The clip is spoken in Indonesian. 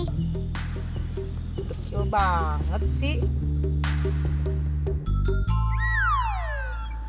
kecil banget sih